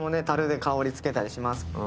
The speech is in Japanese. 樽で香り付けたりします。